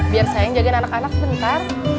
biar sayang jagain anak anak sebentar